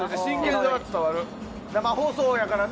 生放送やからな。